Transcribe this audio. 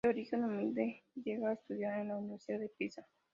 De origen humilde, llega a estudiar en la Universidad de Pisa.